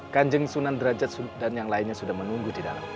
kanjeng sunan derajat dan yang lainnya sudah menunggu di dalam